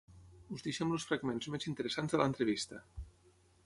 Us deixem els fragments més interessants de l'entrevista.